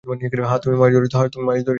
হ্যাঁ, তুমি মাছ ধরেছ।